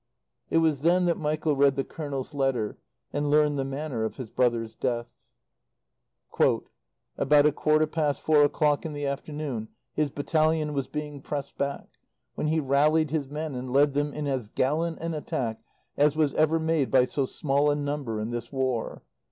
It was then that Michael read the Colonel's letter, and learned the manner of his brother's death: "... About a quarter past four o'clock in the afternoon his battalion was being pressed back, when he rallied his men and led them in as gallant an attack as was ever made by so small a number in this War.